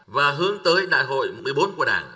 và hướng tới đại hội một mươi bốn của đảng